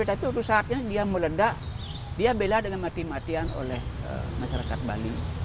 tapi untuk saatnya dia meledak dia bela dengan mati matian oleh masyarakat bali